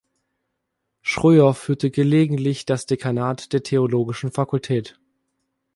Schröer führte gelegentlich das Dekanat der theologischen Fakultät.